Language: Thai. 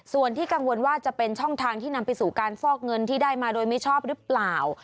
ส่วนที่กังวลว่าจะเป็นช่องทางที่นำไปสู่การฟอกเงินที่ได้มาโดยมิชอบหรือเปล่า